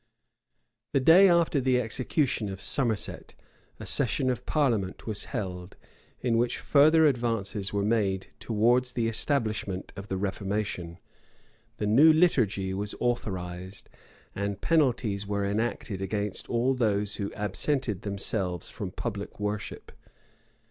The day after the execution of Somerset, a session of parliament was held, in which further advances were made towards the establishment of the reformation. The new liturgy was authorized; and penalties were enacted against all those who absented themselves from public worship.